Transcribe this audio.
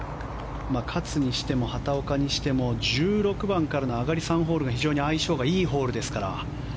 勝にしても、畑岡にしても１６番からの上がり３ホールが非常に相性がいいホールですから。